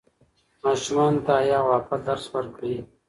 ماشومانو ته د حیا او عفت درس ورکړئ.